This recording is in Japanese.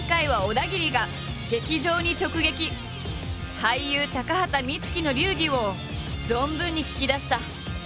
俳優高畑充希の流儀を存分に聞き出した。